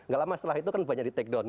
gak lama setelah itu kan banyak di take down